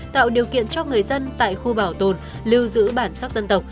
tạo điều kiện cho người dân tại khu bảo tồn lưu giữ bản sắc dân tộc